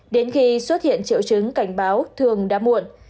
đến khi xuất hiện triệu chứng cảnh báo thường đã muộn